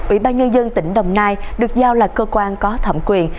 ủy ban nhân dân tỉnh đồng nai được giao là cơ quan có thẩm quyền